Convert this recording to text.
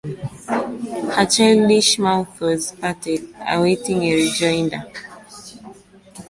Her childish mouth was parted, awaiting a rejoinder.